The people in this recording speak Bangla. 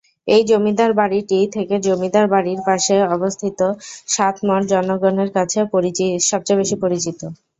এই জমিদার বাড়িটি থেকে জমিদার বাড়ির পাশে অবস্থিত সাত মঠ জনসাধারণের কাছে সবচেয়ে বেশি পরিচিত।